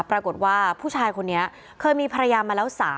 ปรากฏว่าผู้ชายคนนี้เคยมีพยายามมาแล้ว๓คนน่ะค่ะ